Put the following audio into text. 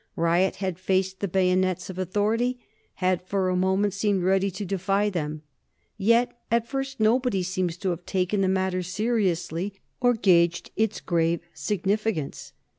Riot had faced the bayonets of authority had for a moment seemed ready to defy them. Yet at first nobody seems to have taken the matter seriously or gauged its grave significance.